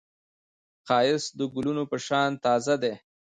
ښایست د ګلونو په شان تازه دی